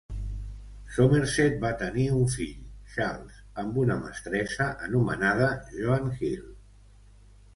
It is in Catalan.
Somerset va tenir un fill, Charles, amb una mestressa anomenada Joan Hill.